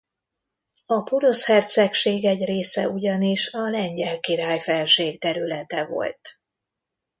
A porosz hercegség egy része ugyanis a lengyel király felségterülete volt.